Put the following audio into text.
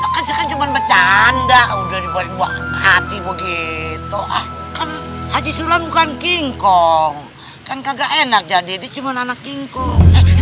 kan saya cuma bercanda udah dibuat hati begitu ah kan haji sulam bukan kingkong kan kagak enak jadi dia cuma anak kingkong